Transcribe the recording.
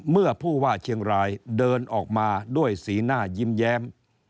เมื่อผู้ว่าเชียงรายเดินออกมาด้วยสีหน้ายิ้มแย้ม